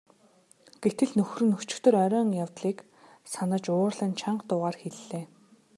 Гэтэл нөхөр нь өчигдөр оройн явдлыг санаж уурлан чанга дуугаар хэллээ.